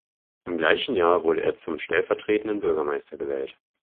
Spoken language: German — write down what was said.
Im gleichen Jahr wurde er zum stellvertretenden Bürgermeister gewählt.